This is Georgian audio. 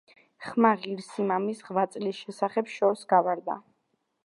ხმა ღირსი მამის ღვაწლის შესახებ შორს გავარდა.